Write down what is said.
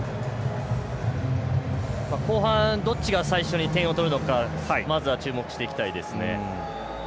後半、どっちが最初に点を取るのかまずは注目していきたいですね。